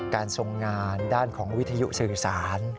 ทรงงานด้านของวิทยุสื่อสาร